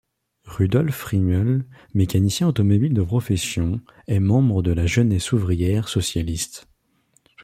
Rudolf Friemel, mécanicien automobile de profession, est membre de la jeunesse ouvrière socialiste.